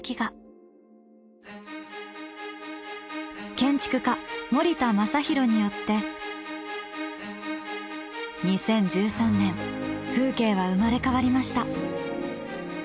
建築家森田昌宏によって２０１３年風景は生まれ変わりました。